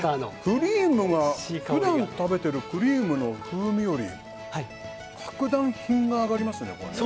クリームが、普段食べているクリームの風味より格段に品が上がりますね。